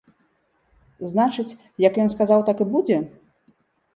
Значыць, як ён сказаў, так і будзе?